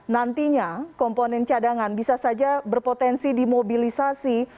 nantinya komponen cadangan bisa saja berpotensi dimobilisasi